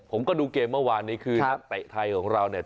ผมก็ดูเกมเมื่อวานนี้คือนักเตะไทยของเราเนี่ย